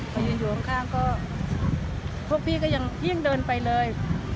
พอยืนอยู่ข้างก็พวกพี่ก็ยังเดินไปเลย